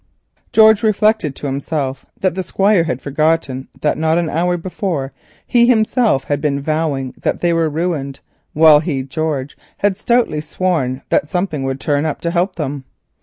George reflected that the Squire had forgotten that not an hour before he himself had been vowing that they were ruined, while he, George, had stoutly sworn that something would turn up to help them.